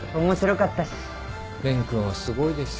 レン君はすごいです。